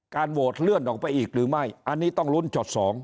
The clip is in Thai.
โหวตเลื่อนออกไปอีกหรือไม่อันนี้ต้องลุ้นช็อต๒